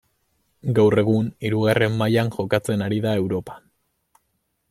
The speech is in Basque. Gaur egun hirugarren mailan jokatzen ari da Europa.